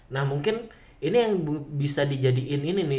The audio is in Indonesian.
nah mungkin ini yang bisa dijadikan ini nih